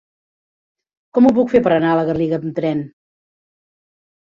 Com ho puc fer per anar a la Garriga amb tren?